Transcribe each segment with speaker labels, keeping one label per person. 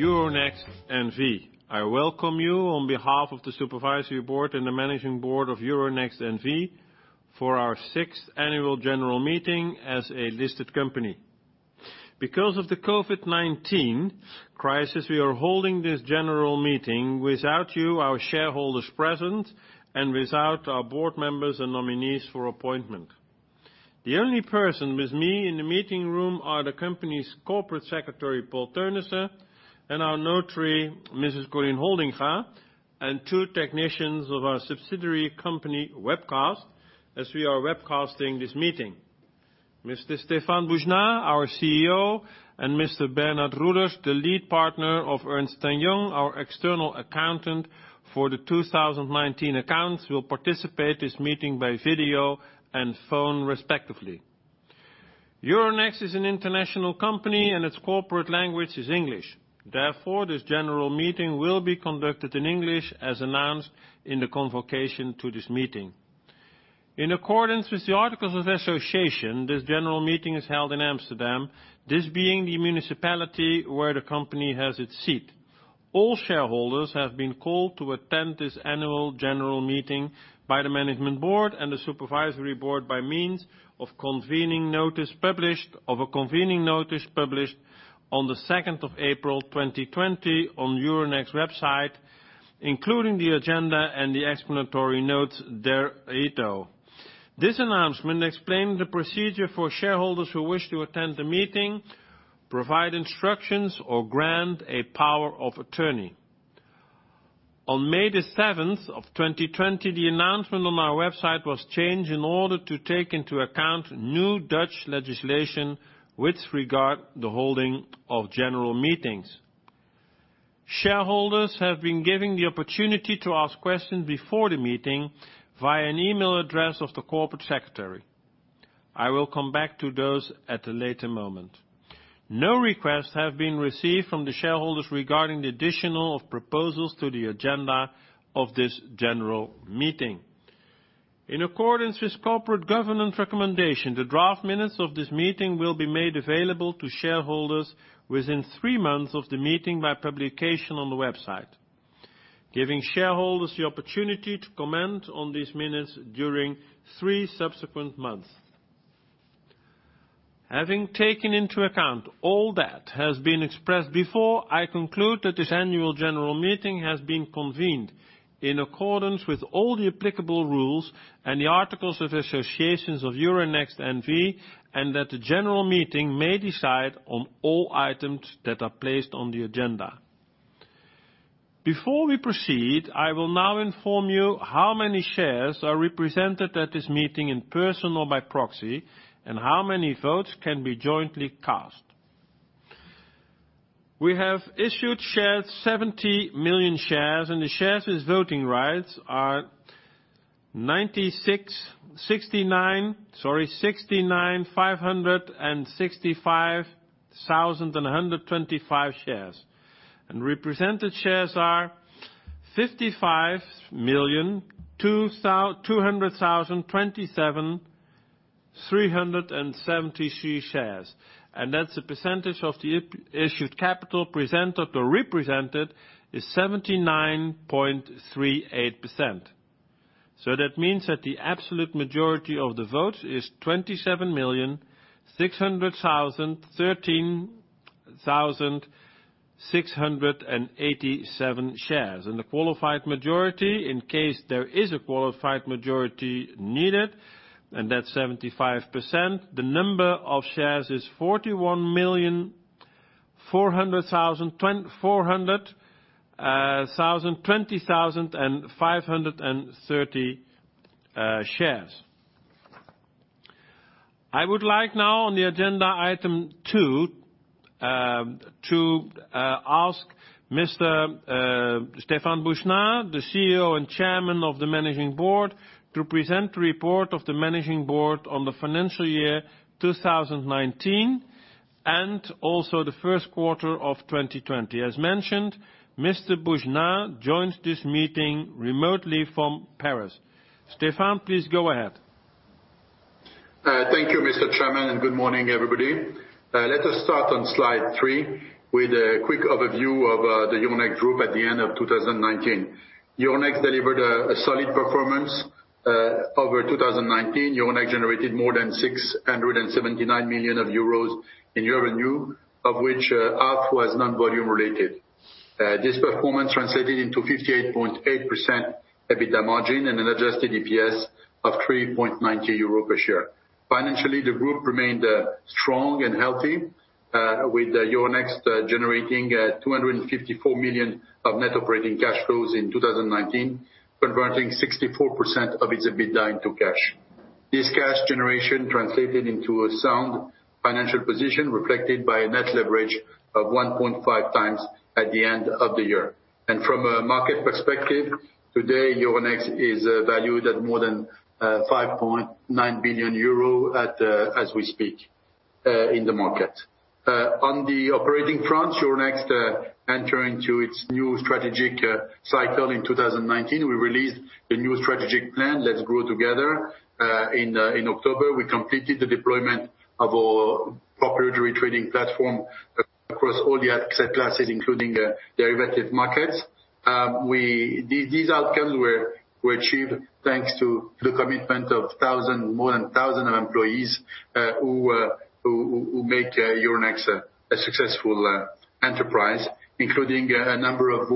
Speaker 1: Annual meeting of Euronext N.V. I welcome you on behalf of the Supervisory Board and the Managing Board of Euronext N.V. for our sixth annual general meeting as a listed company. Because of the COVID-19 crisis, we are holding this general meeting without you, our shareholders present, and without our board members and nominees for appointment. The only person with me in the meeting room are the company's Corporate Secretary, Paul Theunissen, and our notary, Mrs. Corrine Holdinga, and two technicians of our subsidiary Company Webcast, as we are webcasting this meeting. Mr. Stéphane Boujnah, our CEO, and Bernard Roeders, the Lead Partner of Ernst & Young, our external accountant for the 2019 accounts, will participate this meeting by video and phone, respectively. Euronext is an international company and its corporate language is English. Therefore, this general meeting will be conducted in English, as announced in the convocation to this meeting. In accordance with the Articles of Association, this general meeting is held in Amsterdam, this being the municipality where the company has its seat. All shareholders have been called to attend this annual general meeting by the Managing Board and the Supervisory Board by means of a convening notice published on the 2nd of April 2020 on Euronext website, including the agenda and the explanatory notes thereto. This announcement explained the procedure for shareholders who wish to attend the meeting, provide instructions or grant a power of attorney. On May the 7th of 2020, the announcement on our website was changed in order to take into account new Dutch legislation with regard the holding of general meetings. Shareholders have been given the opportunity to ask questions before the meeting via an email address of the Corporate Secretary. I will come back to those at a later moment. No requests have been received from the shareholders regarding the addition of proposals to the agenda of this general meeting. In accordance with corporate governance recommendation, the draft minutes of this meeting will be made available to shareholders within three months of the meeting by publication on the website, giving shareholders the opportunity to comment on these minutes during three subsequent months. Having taken into account all that has been expressed before, I conclude that this annual general meeting has been convened in accordance with all the applicable rules and the articles of association of Euronext N.V., that the general meeting may decide on all items that are placed on the agenda. Before we proceed, I will now inform you how many shares are represented at this meeting in person or by proxy, and how many votes can be jointly cast. We have issued 70 million shares. The shares with voting rights are 69,565,125 shares. Represented shares are 55,200,27,373 shares. That's the percentage of the issued capital presented or represented is 79.38%. That means that the absolute majority of the votes is 27,600,013,687 shares. The qualified majority, in case there is a qualified majority needed, and that's 75%, the number of shares is 41,400,020,530 shares. I would like now on the agenda item two, to ask Mr. Stéphane Boujnah, the CEO and Chairman of the Managing Board, to present the report of the managing board on the financial year 2019 and also the first quarter of 2020. As mentioned, Mr. Boujnah joins this meeting remotely from Paris. Stéphane, please go ahead.
Speaker 2: Thank you, Mr. Chairman. Good morning, everybody. Let us start on slide three with a quick overview of the Euronext Group at the end of 2019. Euronext delivered a solid performance. Over 2019, Euronext generated more than 679 million euros in revenue, of which half was non-volume related. This performance translated into 58.8% EBITDA margin and an adjusted EPS of 3.90 euro per share. Financially, the group remained strong and healthy, with Euronext generating 254 million of net operating cash flows in 2019, converting 64% of its EBITDA into cash. This cash generation translated into a sound financial position reflected by a net leverage of 1.5x at the end of the year. From a market perspective, today, Euronext is valued at more than 5.9 billion euro as we speak in the market. On the operating front, Euronext entering to its new strategic cycle in 2019. We released the new strategic plan, Let's Grow Together, in October. We completed the deployment of our proprietary trading platform across all the asset classes, including derivative markets. These outcomes were achieved thanks to the commitment of more than 1,000 employees who make Euronext a successful enterprise, including a number of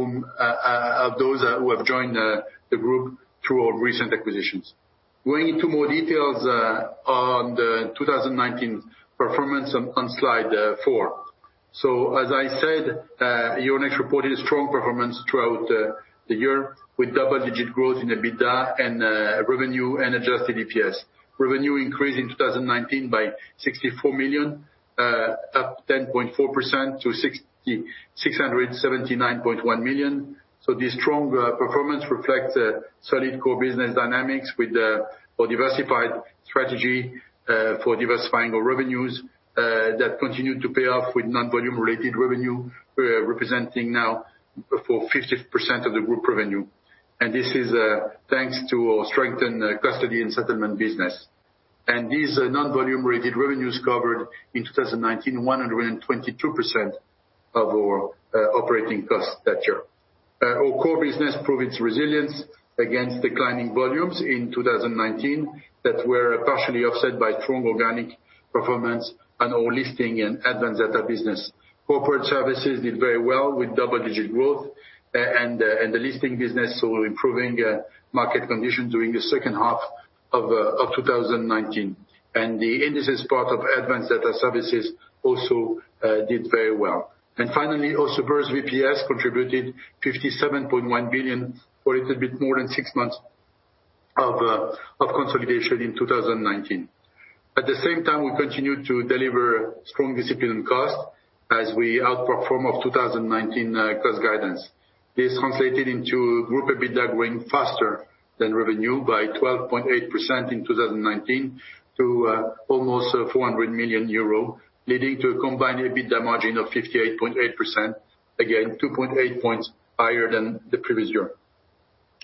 Speaker 2: those who have joined the group through our recent acquisitions. Going into more details on the 2019 performance on slide four. As I said, Euronext reported a strong performance throughout the year with double-digit growth in the EBITDA and revenue and adjusted EPS. Revenue increased in 2019 by 64 million, up 10.4% to 679.1 million. This strong performance reflects solid core business dynamics with our diversified strategy for diversifying our revenues that continued to pay off with non-volume related revenue, representing now for 50% of the group revenue. This is thanks to our strengthened custody and settlement business. These non-volume related revenues covered in 2019, 122% of our operating costs that year. Our core business proved its resilience against declining volumes in 2019 that were partially offset by strong organic performance on our listing and advanced data business. Corporate services did very well with double-digit growth and the listing business saw improving market condition during the second half of 2019. The indices part of advanced data services also did very well. Finally, Oslo Børs VPS contributed 57.1 billion for little bit more than six months of consolidation in 2019. At the same time, we continued to deliver strong discipline cost as we outperformed our 2019 cost guidance. This translated into group EBITDA growing faster than revenue by 12.8% in 2019 to almost 400 million euro, leading to a combined EBITDA margin of 58.8%. Again, 2.8 points higher than the previous year.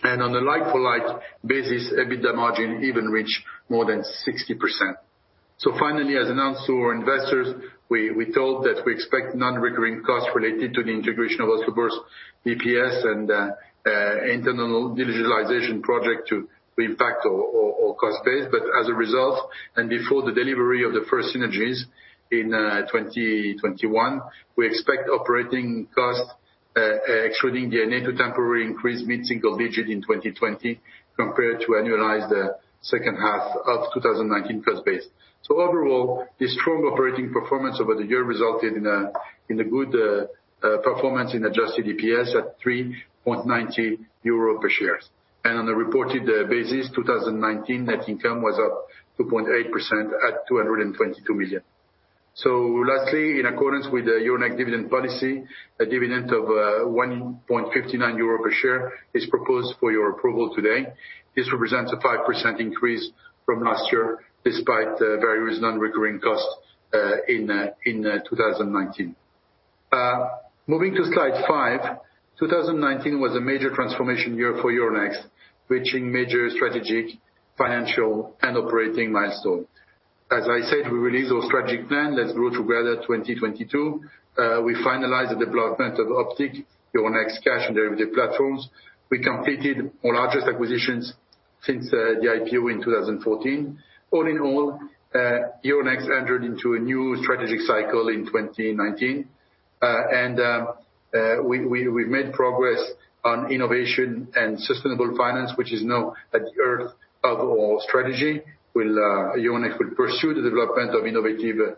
Speaker 2: On a like-for-like basis, EBITDA margin even reach more than 60%. Finally, as announced to our investors, we told that we expect non-recurring costs related to the integration of Oslo Børs VPS and internal digitalization project to impact our cost base. As a result, and before the delivery of the first synergies in 2021, we expect operating costs, excluding the annual temporary increase, mid-single digit in 2020 compared to annualized second half of 2019 cost base. Overall, the strong operating performance over the year resulted in a good performance in adjusted EPS at 3.90 euro per share. On a reported basis, 2019 net income was up 2.8% at 222 million. Lastly, in accordance with the Euronext dividend policy, a dividend of 1.59 euro per share is proposed for your approval today. This represents a 5% increase from last year, despite various non-recurring costs in 2019. Moving to slide five, 2019 was a major transformation year for Euronext, reaching major strategic, financial, and operating milestone. As I said, we released our strategic plan, Let's Grow Together 2022. We finalized the deployment of Optiq, Euronext's cash and derivative platforms. We completed our largest acquisitions since the IPO in 2014. All in all, Euronext entered into a new strategic cycle in 2019. We've made progress on innovation and sustainable finance, which is now at the heart of our strategy. Euronext will pursue the development of innovative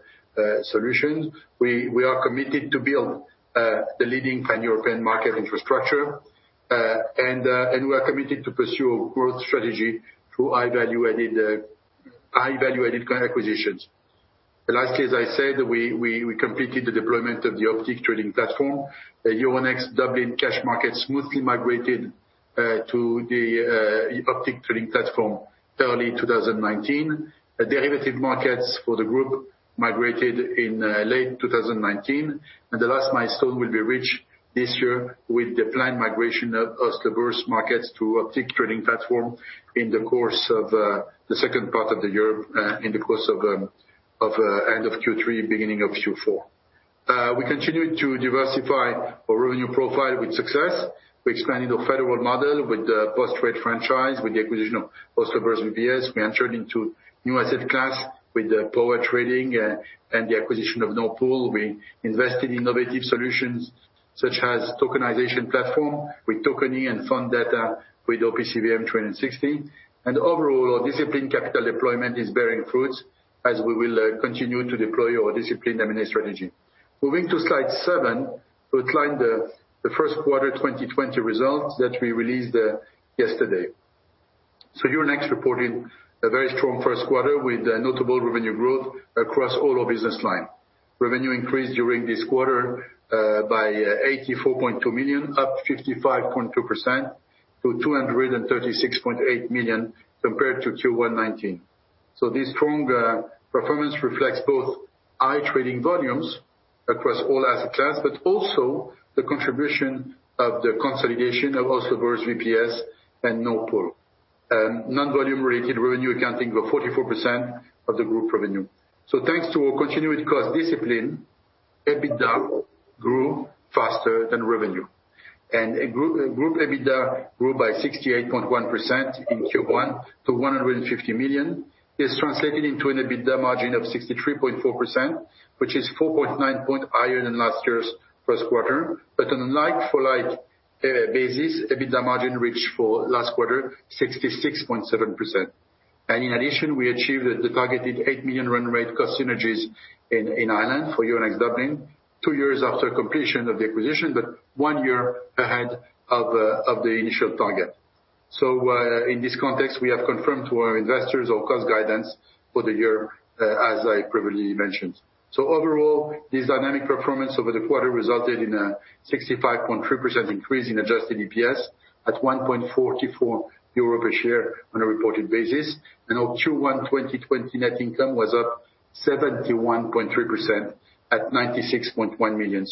Speaker 2: solutions. We are committed to build the leading pan-European market infrastructure. We are committed to pursue a growth strategy through high-valuated acquisitions. Lastly, as I said, we completed the deployment of the Optiq trading platform. Euronext Dublin cash markets smoothly migrated to the Optiq trading platform early 2019. Derivative markets for the group migrated in late 2019. The last milestone will be reached this year with the planned migration of Oslo Børs markets to Optiq trading platform in the course of the second part of the year, in the course of end of Q3, beginning of Q4. We continued to diversify our revenue profile with success. We expanded our federal model with the post-trade franchise with the acquisition of Oslo Børs VPS. We entered into new asset class with the power trading and the acquisition of Nord Pool. We invested in innovative solutions such as tokenization platform with Tokeny and fund data with OPCVM 360. Overall, our disciplined capital deployment is bearing fruits as we will continue to deploy our disciplined M&A strategy. Moving to slide seven, outline the first quarter 2020 results that we released yesterday. Euronext reported a very strong first quarter with notable revenue growth across all our business line. Revenue increased during this quarter by 84.2 million, up 55.2% to 236.8 million compared to Q1 2019. This strong performance reflects both high trading volumes across all asset class, but also the contribution of the consolidation of Oslo Børs VPS and Nord Pool. Non-volume-related revenue accounting for 44% of the group revenue. Thanks to our continued cost discipline, EBITDA grew faster than revenue. Group EBITDA grew by 68.1% in Q1 to 150 million. This translated into an EBITDA margin of 63.4%, which is 4.9 point higher than last year's first quarter. On a like-for-like basis, EBITDA margin reached for last quarter 66.7%. In addition, we achieved the targeted 8 million run rate cost synergies in Ireland for Euronext Dublin, two years after completion of the acquisition, but one year ahead of the initial target. In this context, we have confirmed to our investors our cost guidance for the year, as I previously mentioned. Overall, this dynamic performance over the quarter resulted in a 65.3% increase in adjusted EPS at 1.44 euro a share on a reported basis. Our Q1 2020 net income was up 71.3% at 96.1 million.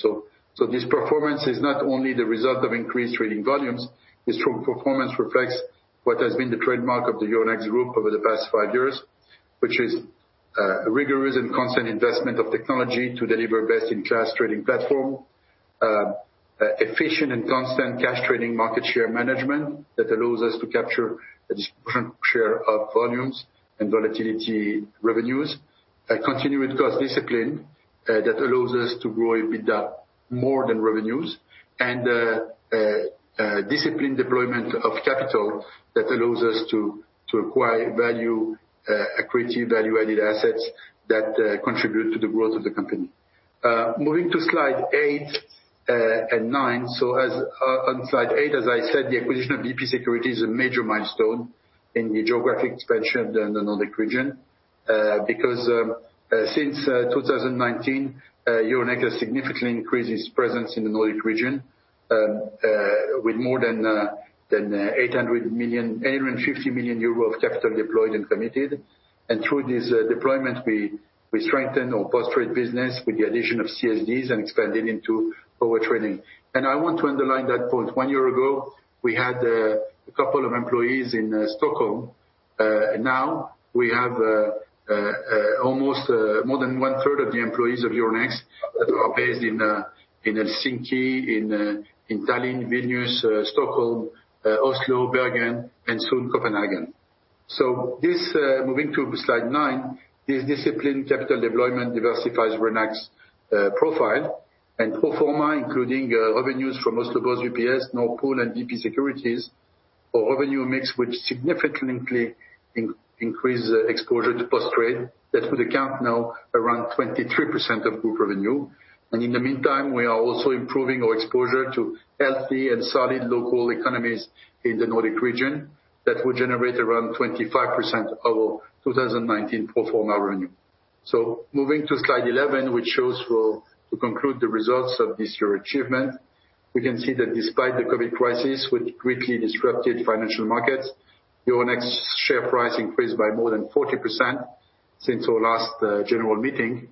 Speaker 2: This performance is not only the result of increased trading volumes, this strong performance reflects what has been the trademark of the Euronext Group over the past five years, which is a rigorous and constant investment of technology to deliver best-in-class trading platform, efficient and constant cash trading market share management that allows us to capture a disproportionate share of volumes and volatility revenues, a continued cost discipline that allows us to grow EBITDA more than revenues, and a disciplined deployment of capital that allows us to acquire equity value-added assets that contribute to the growth of the company. Moving to slide eight and nine. On slide eight, as I said, the acquisition of VP Securities is a major milestone in the geographic expansion in the Nordic region, because since 2019, Euronext has significantly increased its presence in the Nordic region, with more than 850 million euro of capital deployed and committed. Through this deployment, we strengthen our post-trade business with the addition of CSDs and expanded into power trading. I want to underline that point. One year ago, we had a couple of employees in Stockholm. Now, we have more than one-third of the employees of Euronext that are based in Helsinki, in Tallinn, Vilnius, Stockholm, Oslo, Bergen and soon Copenhagen. Moving to slide nine, this disciplined capital deployment diversifies Euronext's profile and pro forma, including revenues from Oslo Børs VPS, Nord Pool and VP Securities. Our revenue mix, which significantly increased exposure to post trade, that would account now around 23% of group revenue. In the meantime, we are also improving our exposure to healthy and solid local economies in the Nordic region that will generate around 25% of our 2019 pro forma revenue. Moving to slide 11, which shows to conclude the results of this year achievement, we can see that despite the COVID crisis, which greatly disrupted financial markets, Euronext share price increased by more than 40% since our last general meeting.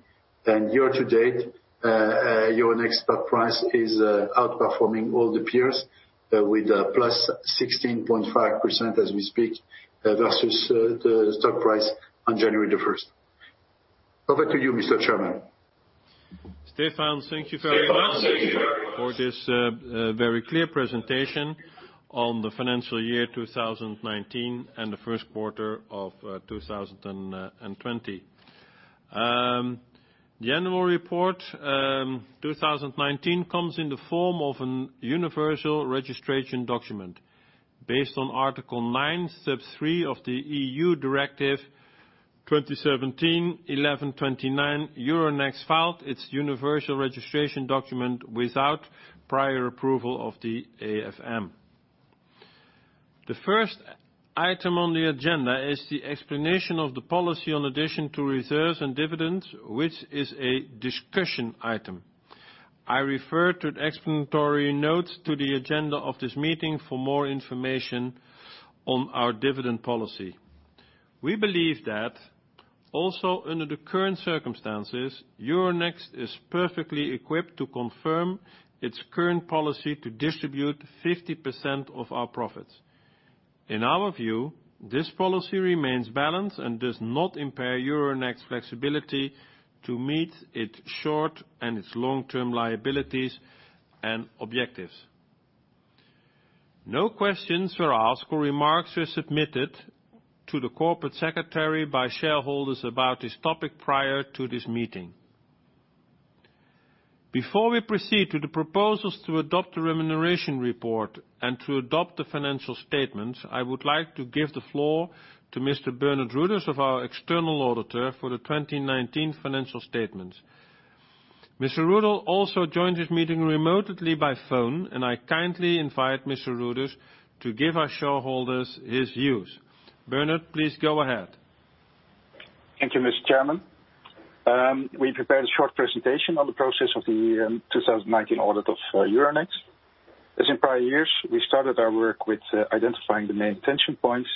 Speaker 2: Year-to-date, Euronext stock price is outperforming all the peers with a plus 16.5% as we speak versus the stock price on January 1st. Over to you, Mr. Chairman.
Speaker 1: Stéphane, thank you very much. Stéphane, thank you very much. for this very clear presentation on the financial year 2019 and the first quarter of 2020. The annual report 2019 comes in the form of an universal registration document. Based on Article 9, Step three of the EU Directive 2017/1129, Euronext filed its universal registration document without prior approval of the AFM. The first item on the agenda is the explanation of the policy on addition to reserves and dividends, which is a discussion item. I refer to the explanatory notes to the agenda of this meeting for more information on our dividend policy. We believe that also under the current circumstances, Euronext is perfectly equipped to confirm its current policy to distribute 50% of our profits. In our view, this policy remains balanced and does not impair Euronext's flexibility to meet its short and its long-term liabilities and objectives. No questions were asked or remarks were submitted to the Corporate Secretary by shareholders about this topic prior to this meeting. Before we proceed to the proposals to adopt the remuneration report and to adopt the financial statements, I would like to give the floor to Mr. Bernard Roeders of our external auditor for the 2019 financial statements. Mr. Roeder also joined this meeting remotely by phone, and I kindly invite Mr. Roeders to give our shareholders his views. Bernard, please go ahead.
Speaker 3: Thank you, Mr. Chairman. We prepared a short presentation on the process of the 2019 audit of Euronext. As in prior years, we started our work with identifying the main tension points,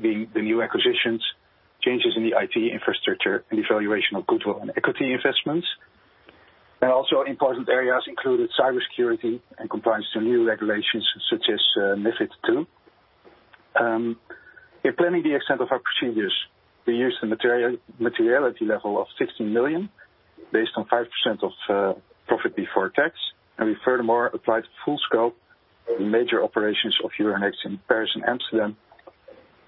Speaker 3: being the new acquisitions, changes in the IT infrastructure, and evaluation of goodwill and equity investments. Also important areas included cybersecurity and compliance to new regulations, such as MiFID II. In planning the extent of our procedures, we used the materiality level of 60 million, based on 5% of profit before tax, and we furthermore applied the full scope, the major operations of Euronext in Paris and Amsterdam,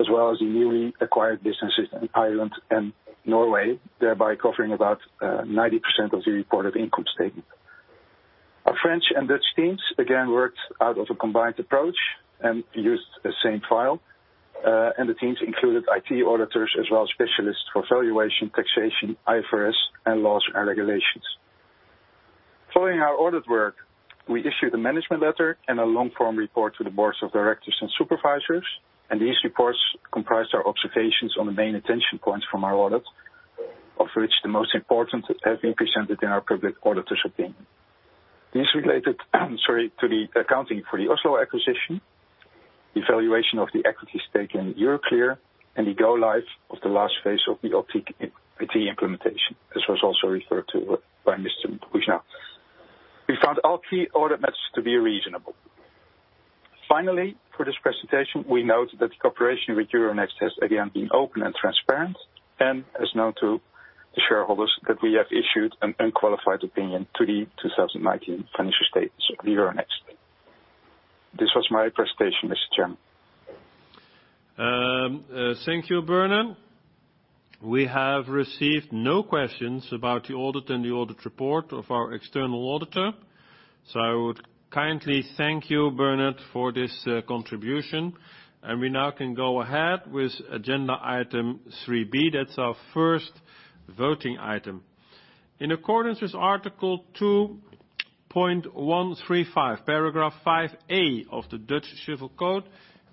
Speaker 3: as well as the newly acquired businesses in Ireland and Norway, thereby covering about 90% of the reported income statement. Our French and Dutch teams again worked out of a combined approach and used the same file. The teams included IT auditors as well as specialists for valuation, taxation, IFRS and laws and regulations. Following our audit work, we issued a management letter and a long-form report to the boards of directors and supervisors. These reports comprised our observations on the main attention points from our audit, of which the most important have been presented in our public auditor's opinion. These related to the accounting for the Oslo acquisition, the valuation of the equity stake in Euroclear, and the go live of the last phase of the Optiq implementation, as was also referred to by Mr. Boujnah. We found all three audit matters to be reasonable. Finally, for this presentation, we note that the cooperation with Euronext has again been open and transparent, and as known to the shareholders, that we have issued an unqualified opinion to the 2019 financial statements of Euronext. This was my presentation, Mr. Chairman.
Speaker 1: Thank you, Bernard. We have received no questions about the audit and the audit report of our external auditor, so I would kindly thank you, Bernard, for this contribution. We now can go ahead with agenda item 3B, that's our first voting item. In accordance with Article 2.135, Paragraph 5A of the Dutch Civil Code,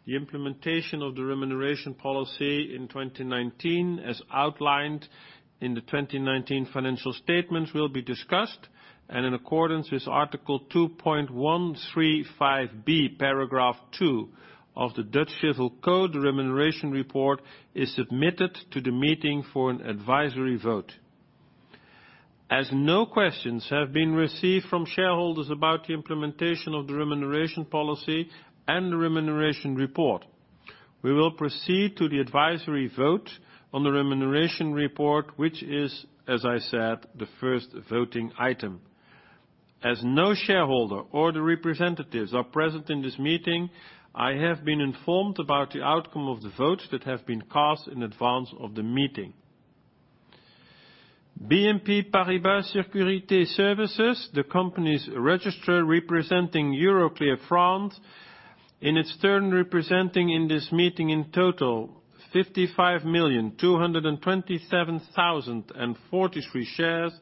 Speaker 1: the implementation of the remuneration policy in 2019, as outlined in the 2019 financial statements, will be discussed. In accordance with Article 2.135B, Paragraph two of the Dutch Civil Code, the remuneration report is submitted to the meeting for an advisory vote. As no questions have been received from shareholders about the implementation of the remuneration policy and the remuneration report, we will proceed to the advisory vote on the remuneration report, which is, as I said, the first voting item. As no shareholder or their representatives are present in this meeting, I have been informed about the outcome of the votes that have been cast in advance of the meeting. BNP Paribas Securities Services, the company's registrar representing Euroclear France, in its turn representing in this meeting a total of 55,227,043 shares,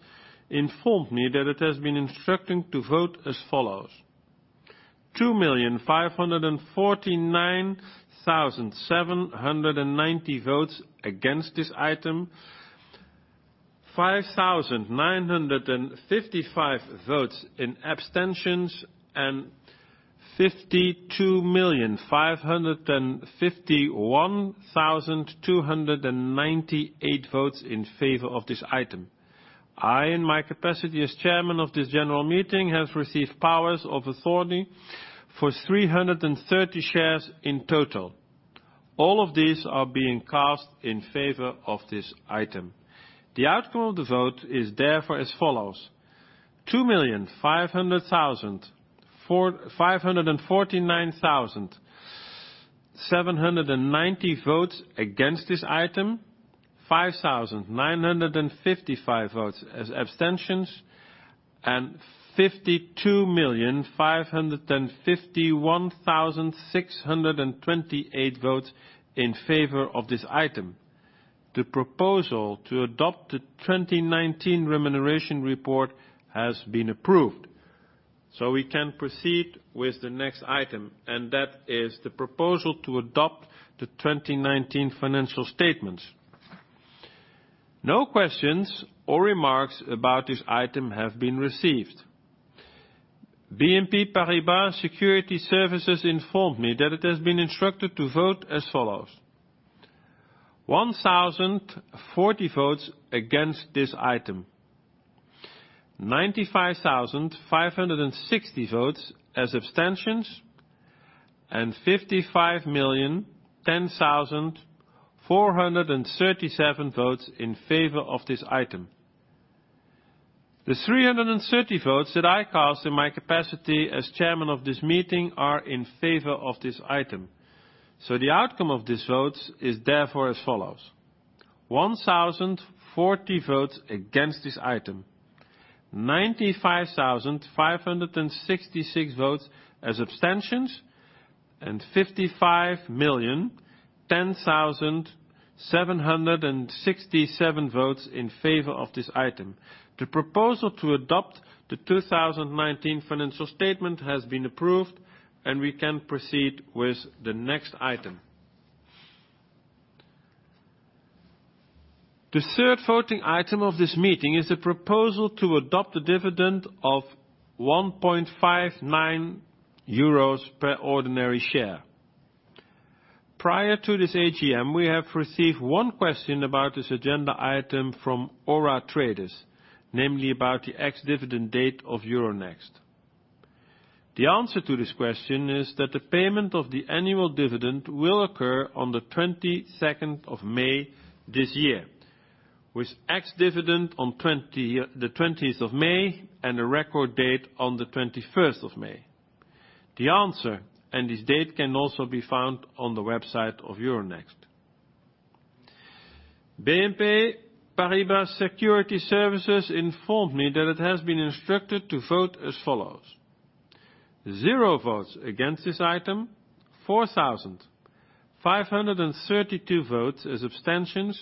Speaker 1: informed me that it has been instructed to vote as follows: 2,549,790 votes against this item, 5,955 votes in abstentions, and 52,551,298 votes in favor of this item. I, in my capacity as chairman of this general meeting, have received powers of authority for 330 shares in total. All of these are being cast in favor of this item. The outcome of the vote is therefore as follows: 2,549,790 votes against this item, 5,955 votes as abstentions, and 52,551,628 votes in favor of this item. The proposal to adopt the 2019 remuneration report has been approved, so we can proceed with the next item, and that is the proposal to adopt the 2019 financial statements. No questions or remarks about this item have been received. BNP Paribas Securities Services informed me that it has been instructed to vote as follows: 1,040 votes against this item, 95,560 votes as abstentions, and 55,010,437 votes in favor of this item. The 330 votes that I cast in my capacity as chairman of this meeting are in favor of this item. The outcome of these votes is therefore as follows: 1,040 votes against this item, 95,566 votes as abstentions. 55,010,767 votes in favor of this item. The proposal to adopt the 2019 financial statement has been approved, and we can proceed with the next item. The third voting item of this meeting is the proposal to adopt a dividend of €1.59 per ordinary share. Prior to this AGM, we have received one question about this agenda item from Aura Traders, namely about the ex-dividend date of Euronext. The answer to this question is that the payment of the annual dividend will occur on the 22nd of May this year, with ex-dividend on the 20th of May and a record date on the 21st of May. The answer and this date can also be found on the website of Euronext. BNP Paribas Securities Services informed me that it has been instructed to vote as follows: zero votes against this item, 4,532 votes as abstentions,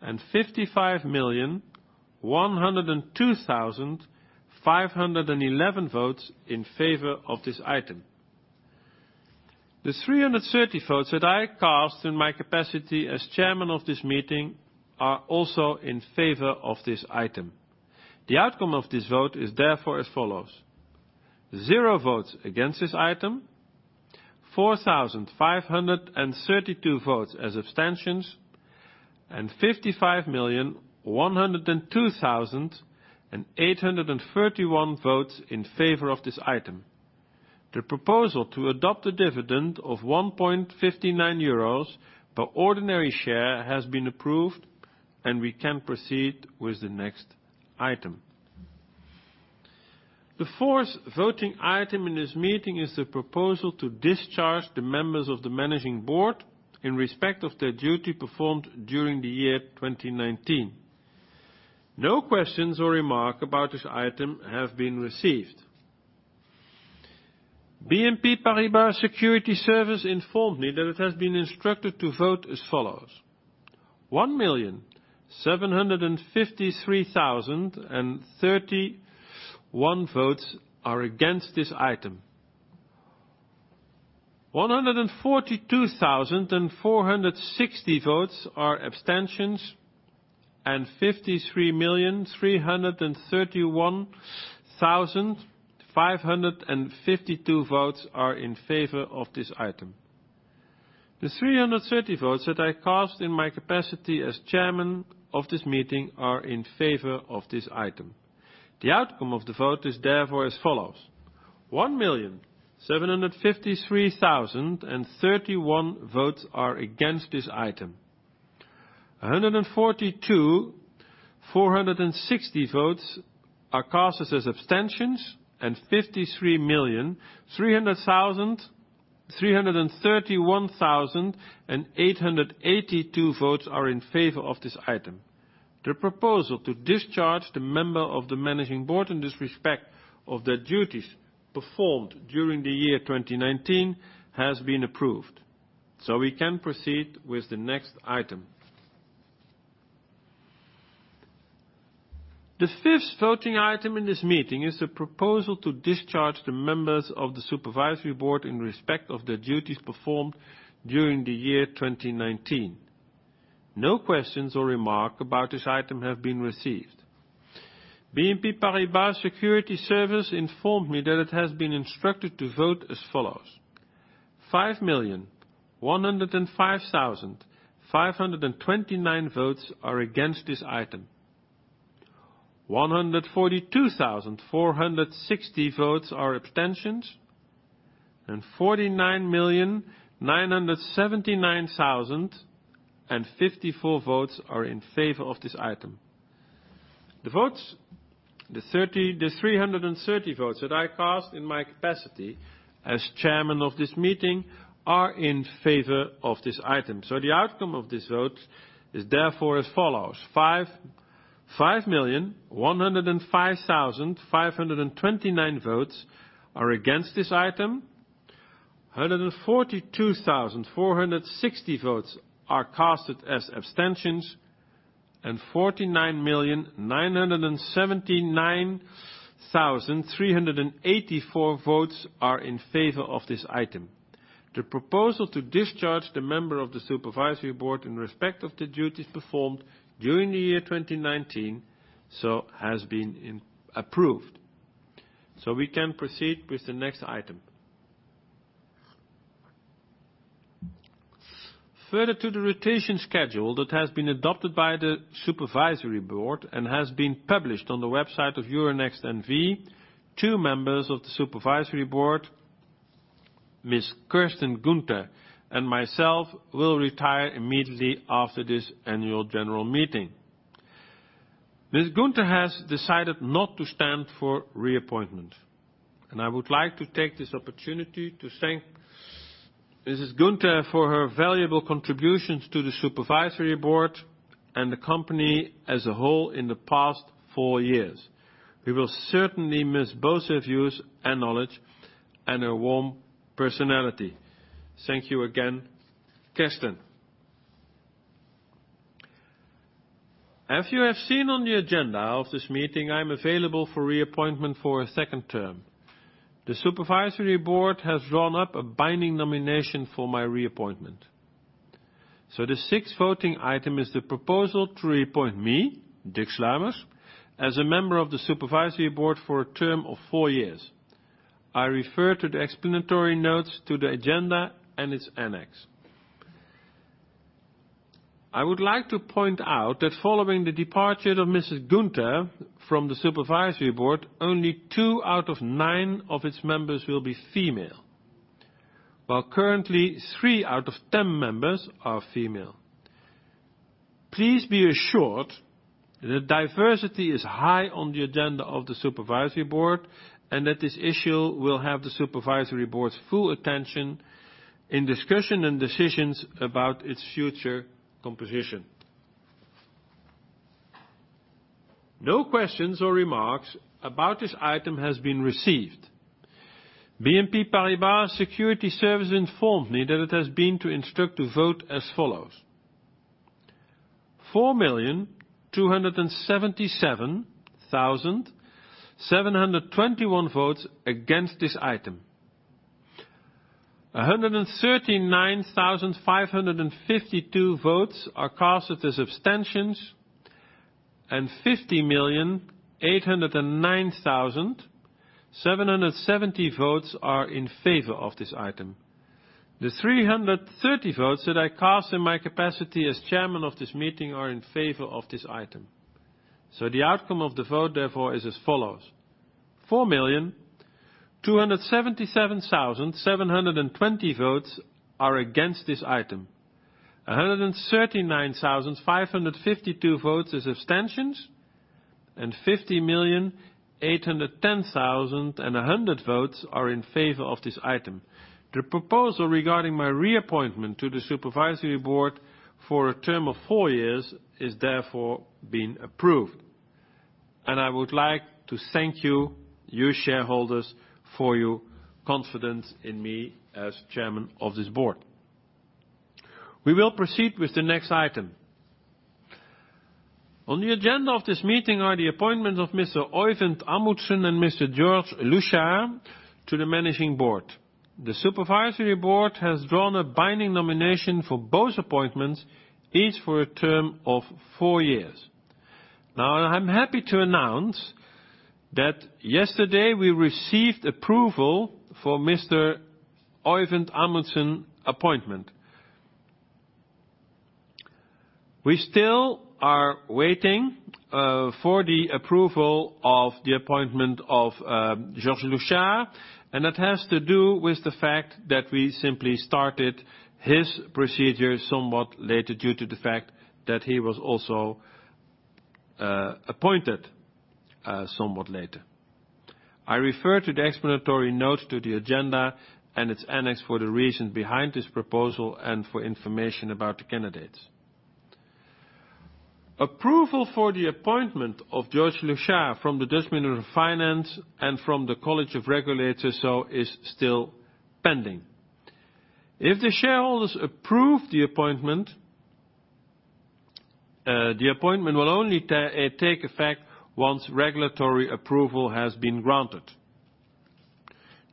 Speaker 1: and 55,102,511 votes in favor of this item. The 330 votes that I cast in my capacity as chairman of this meeting are also in favor of this item. The outcome of this vote is therefore as follows: zero votes against this item, 4,532 votes as abstentions, and 55,102,831 votes in favor of this item. The proposal to adopt a dividend of 1.59 euros per ordinary share has been approved, and we can proceed with the next item. The fourth voting item in this meeting is the proposal to discharge the members of the managing board in respect of their duty performed during the year 2019. No questions or remark about this item have been received. BNP Paribas Securities Services informed me that it has been instructed to vote as follows: 1,753,031 votes are against this item, 142,460 votes are abstentions, and 53,331,552 votes are in favor of this item. The 330 votes that I cast in my capacity as chairman of this meeting are in favor of this item. The outcome of the vote is therefore as follows: 1,753,031 votes are against this item, 142,460 votes are cast as abstentions, and 53,331,882 votes are in favor of this item. The proposal to discharge the member of the managing board in this respect of their duties performed during the year 2019 has been approved. We can proceed with the next item. The fifth voting item in this meeting is the proposal to discharge the members of the supervisory board in respect of their duties performed during the year 2019. No questions or remark about this item have been received. BNP Paribas Securities Services informed me that it has been instructed to vote as follows: 5,105,529 votes are against this item, 142,460 votes are abstentions, and 49,979,054 votes are in favor of this item. The 330 votes that I cast in my capacity as chairman of this meeting are in favor of this item. The outcome of this vote is therefore as follows: 5,105,529 votes are against this item, 142,460 votes are cast as abstentions, and 49,979,384 votes are in favor of this item. The proposal to discharge the member of the Supervisory Board in respect of the duties performed during the year 2019 has been approved. We can proceed with the next item. Further to the rotation schedule that has been adopted by the Supervisory Board and has been published on the website of Euronext N.V., two members of the Supervisory Board, Ms. Kerstin Günther and myself, will retire immediately after this Annual General Meeting. Ms. Günther has decided not to stand for reappointment. I would like to take this opportunity to thank Ms. Günther for her valuable contributions to the Supervisory Board and the company as a whole in the past four years. We will certainly miss both her views and knowledge and her warm personality. Thank you again, Kerstin. As you have seen on the agenda of this meeting, I'm available for reappointment for a second term. The Supervisory Board has drawn up a binding nomination for my reappointment. The sixth voting item is the proposal to reappoint me, Dick Sluimers, as a member of the Supervisory Board for a term of four years. I refer to the explanatory notes to the agenda and its annex. I would like to point out that following the departure of Mrs. Günther from the Supervisory Board, only two out of nine of its members will be female. While currently, three out of 10 members are female. Please be assured that diversity is high on the agenda of the Supervisory Board, and that this issue will have the Supervisory Board's full attention in discussion and decisions about its future composition. No questions or remarks about this item has been received. BNP Paribas Securities Services informed me that it has been to instruct to vote as follows. 4,277,721 votes against this item. 139,552 votes are cast as abstentions, and 50,809,770 votes are in favor of this item. The 330 votes that I cast in my capacity as chairman of this meeting are in favor of this item. The outcome of the vote therefore is as follows. 4,277,720 votes are against this item. 139,552 votes as abstentions, and 50,810,100 votes are in favor of this item. The proposal regarding my reappointment to the Supervisory Board for a term of 4 years is therefore being approved. I would like to thank you shareholders, for your confidence in me as chairman of this board. We will proceed with the next item. On the agenda of this meeting are the appointments of Mr. Øivind Amundsen and Mr. Georges Lauchard to the Managing Board. The Supervisory Board has drawn a binding nomination for both appointments, each for a term of four years. Now, I'm happy to announce that yesterday we received approval for Mr. Øivind Amundsen appointment. We still are waiting for the approval of the appointment of Georges Lauchard. That has to do with the fact that we simply started his procedure somewhat later due to the fact that he was also appointed somewhat later. I refer to the explanatory note to the agenda and its annex for the reason behind this proposal and for information about the candidates. Approval for the appointment of Georges Lauchard from the Dutch Minister of Finance and from the College of Regulators is still pending. If the shareholders approve the appointment, the appointment will only take effect once regulatory approval has been granted.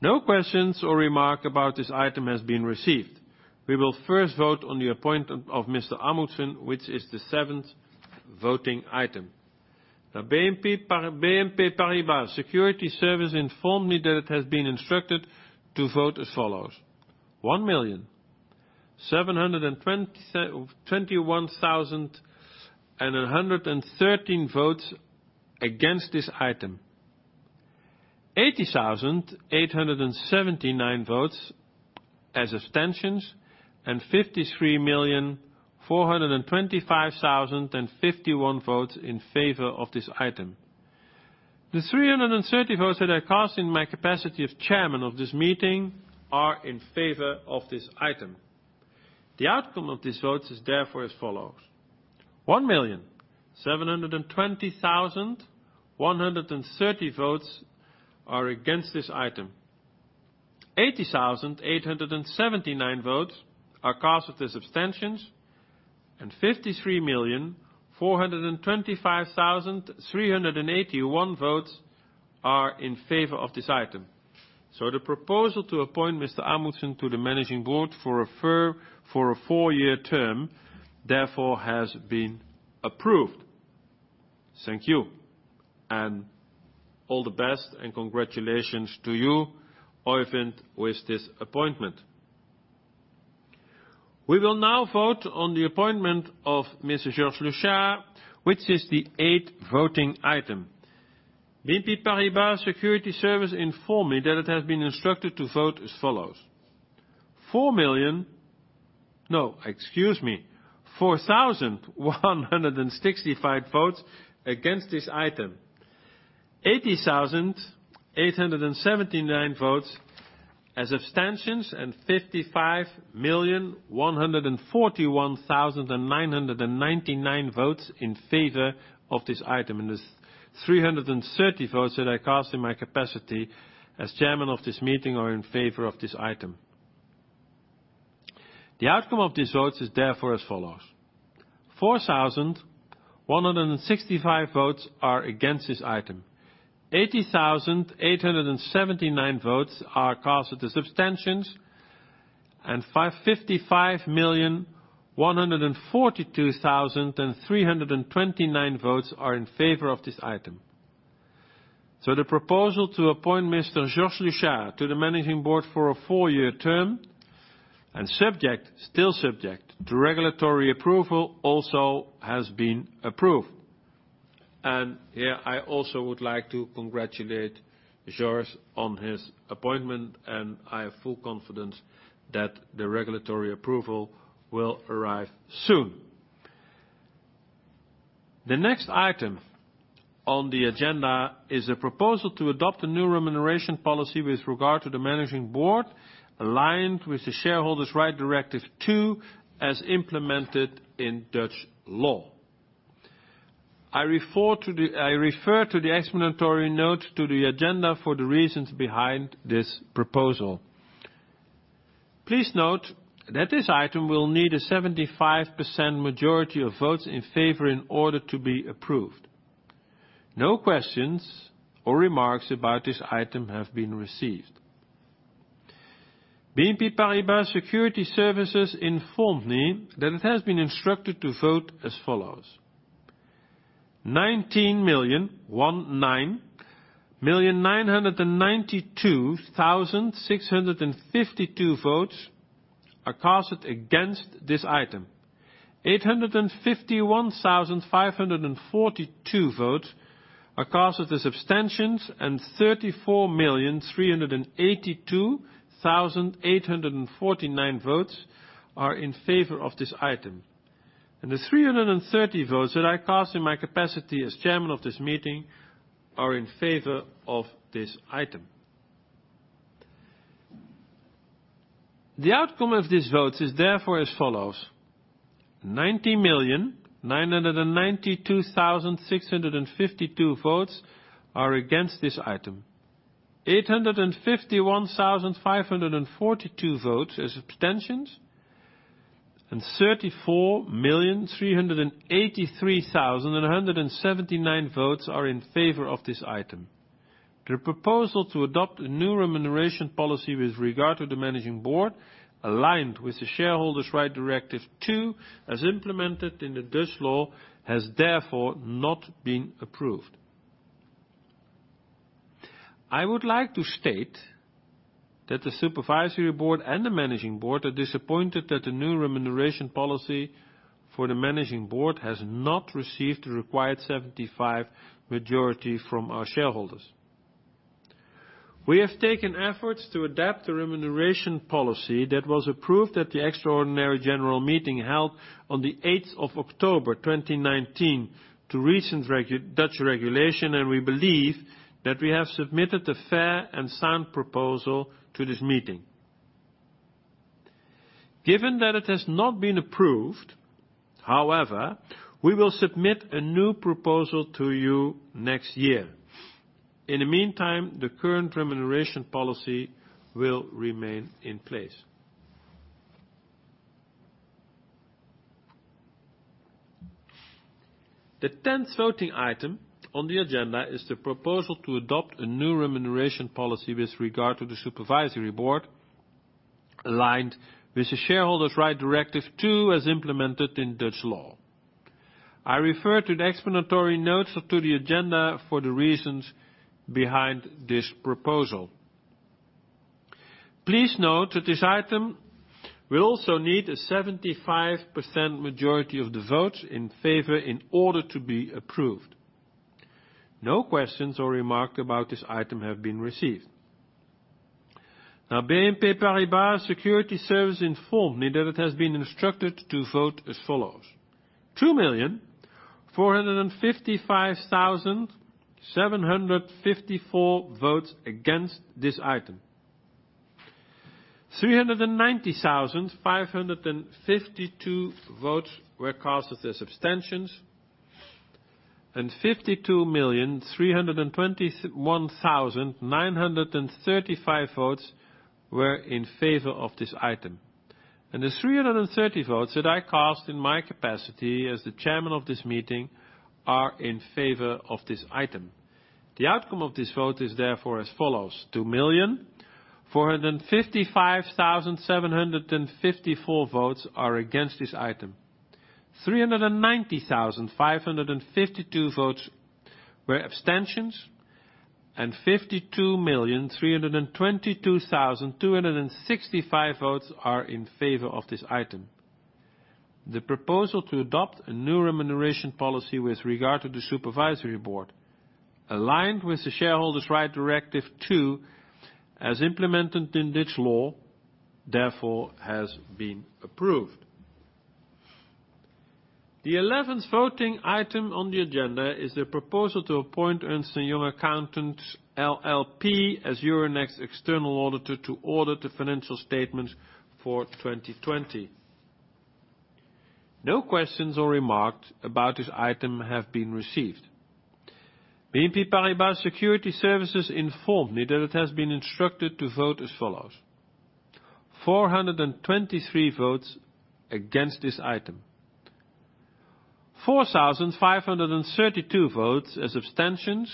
Speaker 1: No questions or remark about this item has been received. We will first vote on the appointment of Mr. Amundsen, which is the seventh voting item. BNP Paribas Securities Services informed me that it has been instructed to vote as follows. 1,721,113 votes against this item. 80,879 votes as abstentions, and 53,425,051 votes in favor of this item. The 330 votes that I cast in my capacity of chairman of this meeting are in favor of this item. The outcome of these votes is therefore as follows. 1,720,130 votes are against this item. 80,879 votes are cast as abstentions, and 53,425,381 votes are in favor of this item. The proposal to appoint Mr. Amundsen to the Managing Board for a four-year term, therefore has been approved. Thank you, and all the best, and congratulations to you, Øivind, with this appointment. We will now vote on the appointment of Mr. Georges Lauchard, which is the eighth voting item. BNP Paribas Securities Services informed me that it has been instructed to vote as follows. 4,165 votes against this item. 80,879 votes as abstentions and 55,141,999 votes in favor of this item. The 330 votes that I cast in my capacity as chairman of this meeting are in favor of this item. The outcome of these votes is therefore as follows: 4,165 votes are against this item, 80,879 votes are cast as abstentions, and 55,142,329 votes are in favor of this item. The proposal to appoint Mr. Georges Lauchard to the Managing Board for a four-year term and still subject to regulatory approval also has been approved. Here, I also would like to congratulate Georges on his appointment, and I have full confidence that the regulatory approval will arrive soon. The next item on the agenda is a proposal to adopt a new remuneration policy with regard to the Managing Board, aligned with the Shareholder Rights Directive II as implemented in Dutch law. I refer to the explanatory note to the agenda for the reasons behind this proposal. Please note that this item will need a 75% majority of votes in favor in order to be approved. No questions or remarks about this item have been received. BNP Paribas Securities Services informed me that it has been instructed to vote as follows: 19,992,652 votes are cast against this item, 851,542 votes are cast as abstentions, and 34,382,849 votes are in favor of this item. The 330 votes that I cast in my capacity as chairman of this meeting are in favor of this item. The outcome of these votes is therefore as follows: 90,992,652 votes are against this item, 851,542 votes as abstentions, and 34,383,179 votes are in favor of this item. The proposal to adopt a new remuneration policy with regard to the managing board, aligned with the Shareholder Rights Directive II as implemented in the Dutch law, has therefore not been approved. I would like to state that the supervisory board and the managing board are disappointed that the new remuneration policy for the managing board has not received the required 75% majority from our shareholders. We have taken efforts to adapt the remuneration policy that was approved at the extraordinary general meeting held on the 8th of October 2019 to recent Dutch regulation, and we believe that we have submitted a fair and sound proposal to this meeting. Given that it has not been approved, however, we will submit a new proposal to you next year. In the meantime, the current remuneration policy will remain in place. The 10th voting item on the agenda is the proposal to adopt a new remuneration policy with regard to the supervisory board, aligned with the Shareholder Rights Directive II as implemented in Dutch law. I refer to the explanatory notes to the agenda for the reasons behind this proposal. Please note that this item will also need a 75% majority of the votes in favor in order to be approved. No questions or remarks about this item have been received. Now, BNP Paribas Securities Services informed me that it has been instructed to vote as follows: 2,455,754 votes against this item, 390,552 votes were cast as abstentions, and 52,321,935 votes were in favor of this item. The 330 votes that I cast in my capacity as the chairman of this meeting are in favor of this item. The outcome of this vote is therefore as follows: 2,455,754 votes are against this item, 390,552 votes were abstentions, and 52,322,265 votes are in favor of this item. The proposal to adopt a new remuneration policy with regard to the supervisory board, aligned with the Shareholder Rights Directive II as implemented in Dutch law, therefore has been approved. The 11th voting item on the agenda is a proposal to appoint Ernst & Young Accountants LLP as Euronext's external auditor to audit the financial statements for 2020. No questions or remarks about this item have been received. BNP Paribas Securities Services informed me that it has been instructed to vote as follows: 423 votes against this item, 4,532 votes as abstentions,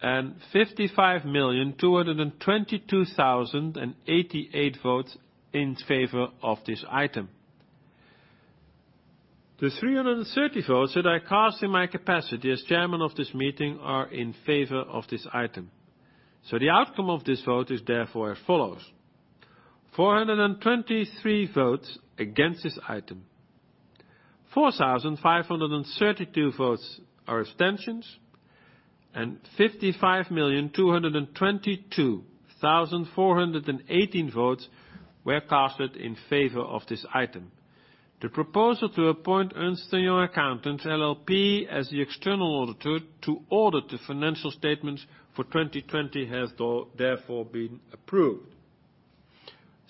Speaker 1: and 55,222,088 votes in favor of this item. The 330 votes that I cast in my capacity as chairman of this meeting are in favor of this item. The outcome of this vote is therefore as follows. 423 votes against this item, 4,532 votes are abstentions, and 55,222,418 votes were casted in favor of this item. The proposal to appoint Ernst & Young Accountants LLP as the external auditor to audit the financial statements for 2020 has therefore been approved.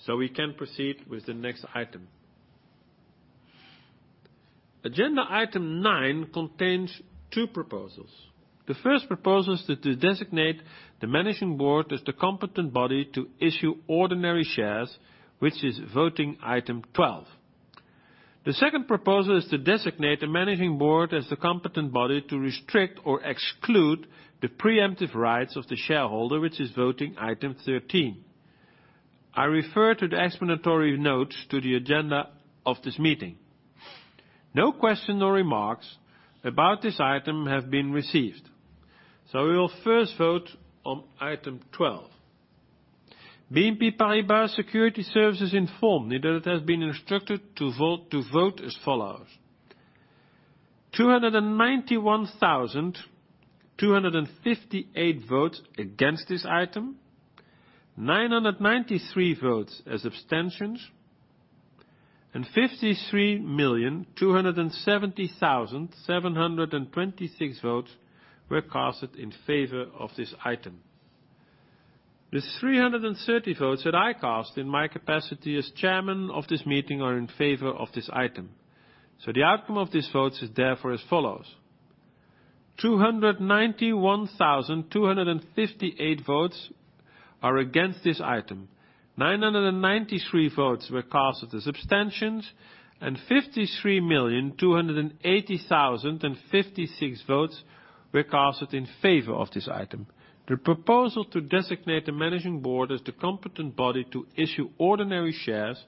Speaker 1: We can proceed with the next item. Agenda item nine contains two proposals. The first proposal is to designate the Managing Board as the competent body to issue ordinary shares, which is voting item 12. The second proposal is to designate the Managing Board as the competent body to restrict or exclude the preemptive rights of the shareholder, which is voting item 13. I refer to the explanatory notes to the agenda of this meeting. No question or remarks about this item have been received. We will first vote on item 12. BNP Paribas Securities Services informed me that it has been instructed to vote as follows. 291,258 votes against this item, 993 votes as abstentions, and 53,270,726 votes were cast in favor of this item. The 330 votes that I cast in my capacity as chairman of this meeting are in favor of this item. The outcome of these votes is therefore as follows. 291,258 votes are against this item, 993 votes were cast as abstentions, and 53,280,056 votes were cast in favor of this item. The proposal to designate the managing board as the competent body to issue ordinary shares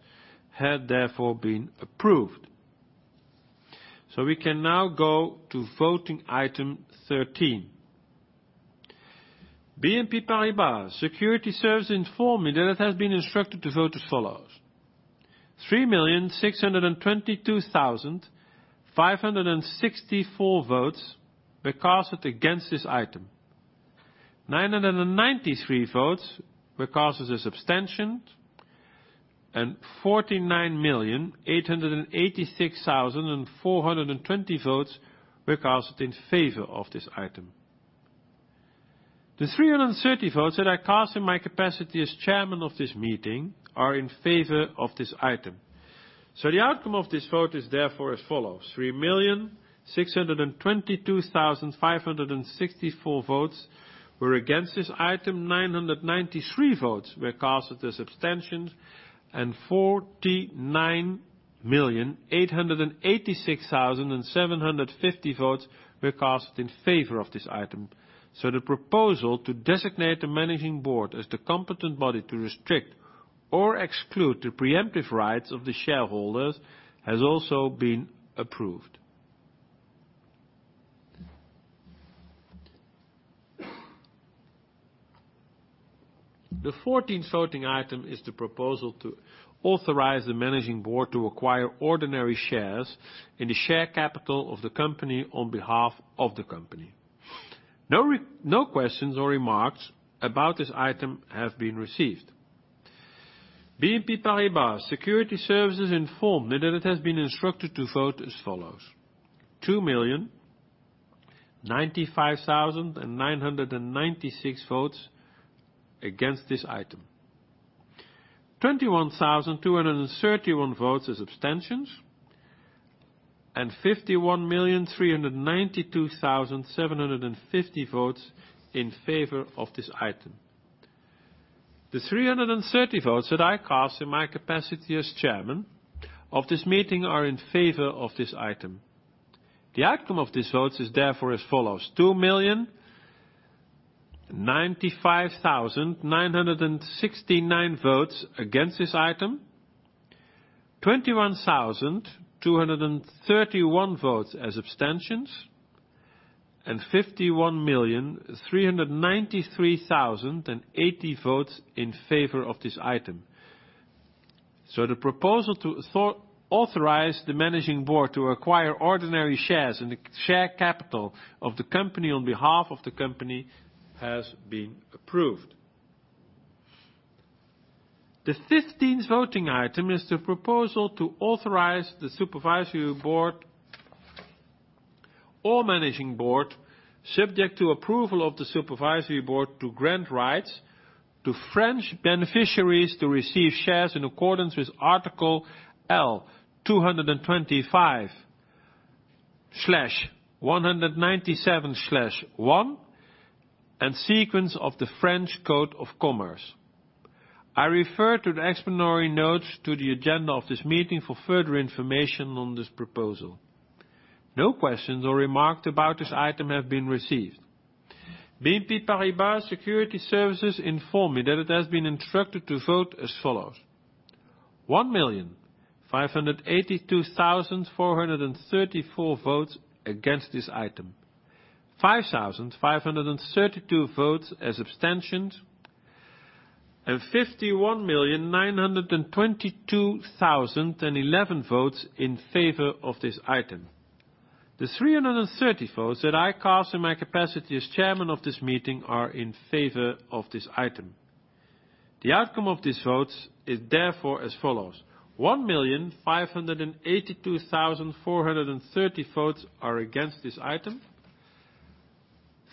Speaker 1: had therefore been approved. We can now go to voting item 13. BNP Paribas Securities Services informed me that it has been instructed to vote as follows. 3,622,564 votes were cast against this item, 993 votes were cast as abstentions, and 49,886,420 votes were cast in favor of this item. The 330 votes that I cast in my capacity as chairman of this meeting are in favor of this item. The outcome of this vote is therefore as follows. 3,622,564 votes were against this item, 993 votes were cast as abstentions, and 49,886,750 votes were cast in favor of this item. The proposal to designate the managing board as the competent body to restrict or exclude the preemptive rights of the shareholders has also been approved. The 14th voting item is the proposal to authorize the managing board to acquire ordinary shares in the share capital of the company on behalf of the company. No questions or remarks about this item have been received. BNP Paribas Securities Services informed me that it has been instructed to vote as follows. 2,095,996 votes against this item, 21,231 votes as abstentions, and 51,392,750 votes in favor of this item. The 330 votes that I cast in my capacity as chairman of this meeting are in favor of this item. The outcome of these votes is as follows. 2,095,969 votes against this item, 21,231 votes as abstentions, and 51,393,080 votes in favor of this item. The proposal to authorize the Managing Board to acquire ordinary shares in the share capital of the company on behalf of the company has been approved. The 15th voting item is the proposal to authorize the Supervisory Board or Managing Board, subject to approval of the Supervisory Board, to grant rights to French beneficiaries to receive shares in accordance with Article L225-197-1 and sequence of the French Code of Commerce. I refer to the explanatory notes to the agenda of this meeting for further information on this proposal. No questions or remarks about this item have been received. BNP Paribas Securities Services informed me that it has been instructed to vote as follows: 1,582,434 votes against this item, 5,532 votes as abstentions, and 51,922,011 votes in favor of this item. The 330 votes that I cast in my capacity as chairman of this meeting are in favor of this item. The outcome of these votes is therefore as follows: 1,582,430 votes are against this item,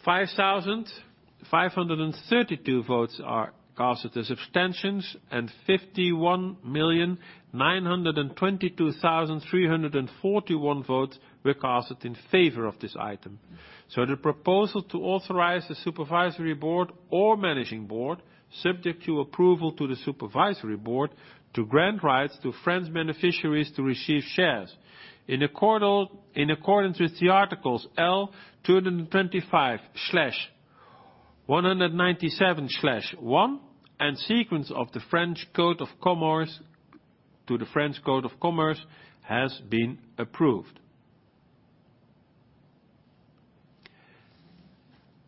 Speaker 1: 5,532 votes are cast as abstentions, and 51,922,341 votes were cast in favor of this item. The proposal to authorize the supervisory board or managing board, subject to approval to the supervisory board, to grant rights to French beneficiaries to receive shares in accordance with the Article L225-197-1 and sequence of the French Code of Commerce has been approved.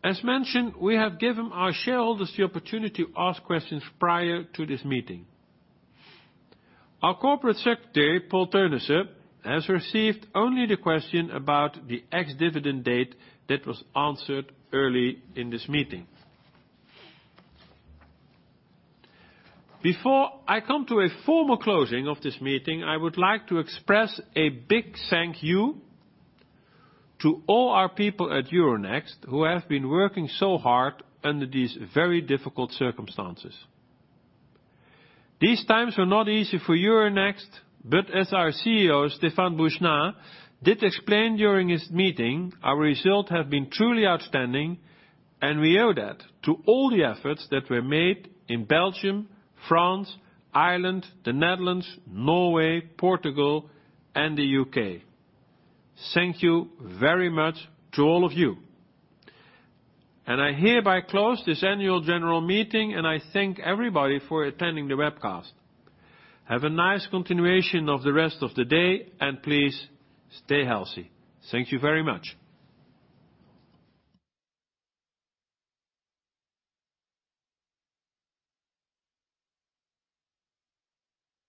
Speaker 1: As mentioned, we have given our shareholders the opportunity to ask questions prior to this meeting. Our Corporate Secretary, Paul Theunissen, has received only the question about the ex-dividend date that was answered early in this meeting. Before I come to a formal closing of this meeting, I would like to express a big thank you to all our people at Euronext who have been working so hard under these very difficult circumstances. These times were not easy for Euronext, but as our CEO, Stéphane Boujnah, did explain during his meeting, our results have been truly outstanding, and we owe that to all the efforts that were made in Belgium, France, Ireland, the Netherlands, Norway, Portugal, and the U.K. Thank you very much to all of you. I hereby close this annual general meeting, and I thank everybody for attending the webcast. Have a nice continuation of the rest of the day, and please stay healthy. Thank you very much.